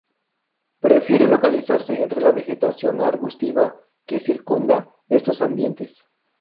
Prefiere localizarse entre la vegetación arbustiva que circunda estos ambientes.